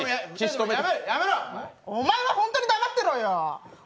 お前はホントに黙ってろよ。